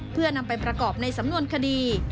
เพื่อนำไปประกอบในสำนวนคดี